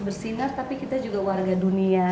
bersinar tapi kita juga warga dunia